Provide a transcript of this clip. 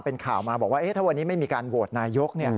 เป็นข่าวมาบอกว่าถ้าวันนี้ไม่มีการโหวตนายก